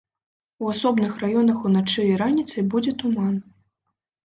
У асобных раёнах уначы і раніцай будзе туман.